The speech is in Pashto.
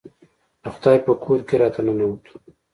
د خدای په کور کې راته ننوتو.